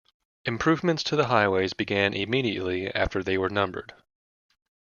Improvements to the highways began immediately after they were numbered.